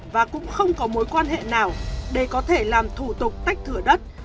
và cũng không có mối quan hệ nào để có thể làm thủ tục tách thửa đất